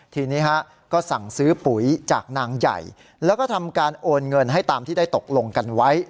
ทีนี้ก็สั่งซื้อปุ๋ยจากนางใหญ่แล้วก็ทำการโอนเงินให้ตามที่ได้ตกลงกันไว้